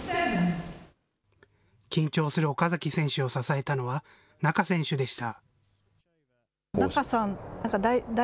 緊張する岡崎選手を支えたのは、仲選手でした。